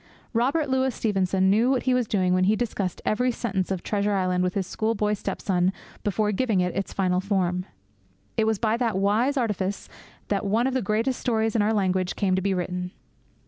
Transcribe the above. Robert Louis Stevenson knew what he was doing when he discussed every sentence of Treasure Island with his schoolboy step son before giving it its final form. It was by that wise artifice that one of the greatest stories in our language came to be written.